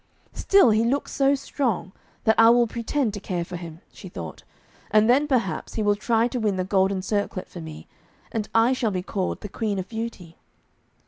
'Still he looks so strong, that I will pretend to care for him,' she thought, 'and then perhaps he will try to win the golden circlet for me, and I shall be called the "Queen of Beauty."'